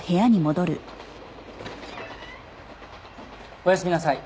おやすみなさい。